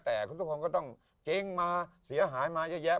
แต่ทุกคนก็ต้องเจ๊งมาเสียหายมาเยอะแยะ